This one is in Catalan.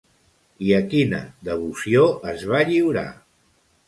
I a quina devoció es va lliurar?